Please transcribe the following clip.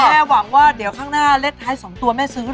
แม่หวังว่าเดี๋ยวข้างหน้าเล็กไทส์๒ตัวแม่ซื้อเลย